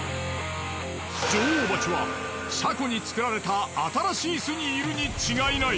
女王蜂は車庫に作られた新しい巣にいるに違いない。